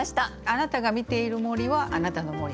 あなたが見ている森はあなたの森。